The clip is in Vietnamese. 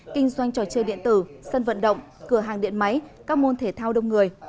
kinh doanh trò chơi điện tử sân vận động cửa hàng điện máy các môn thể thao đông người